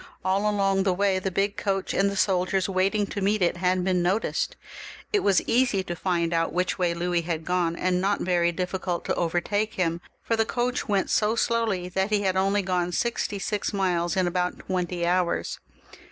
All along the way the big coach and the soldiers waiting to meet it had been noticed. It was easy to find out which way Louis had gone, and not very dif&cult to catch hiin up, for the coach went so slowly that he had only gone sixty six miles in about twenty hours.